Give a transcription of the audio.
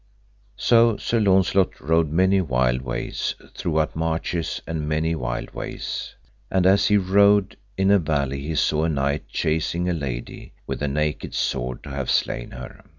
So Sir Launcelot rode many wild ways, throughout marches and many wild ways. And as he rode in a valley he saw a knight chasing a lady, with a naked sword, to have slain her.